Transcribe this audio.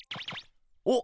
おっ！